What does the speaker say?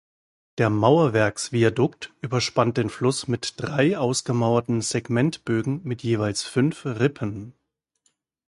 Der Mauerwerksviadukt überspannt den Fluss mit drei ausgemauerten Segmentbögen mit jeweils fünf Rippen.